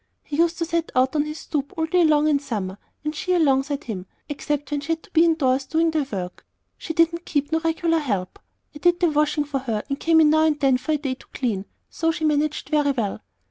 He used to set out on this stoop all day long in the summer, and she alongside him, except when she had to be indoors doing the work. She didn't keep no regular help. I did the washing for her, and come in now and then for a day to clean; so she managed very well.